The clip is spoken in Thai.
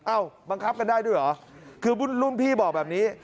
บังคับกันได้ด้วยเหรอคือรุ่นพี่บอกแบบนี้